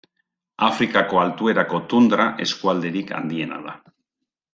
Afrikako altuerako tundra eskualderik handiena da.